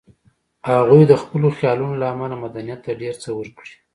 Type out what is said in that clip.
هغوی د خپلو خیالونو له امله مدنیت ته ډېر څه ورکړي